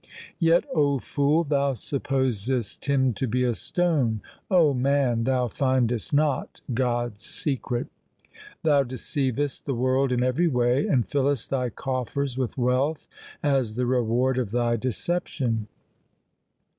Yet, O fool, thou supposest Him to be a stone. O man, thou findest not God's secret. Thou deceivest the world in every way and fillest thy coffers with wealth as the reward of thy decep tion.